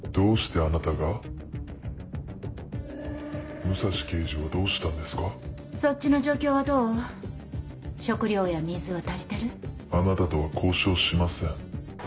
あなたとは交渉しません。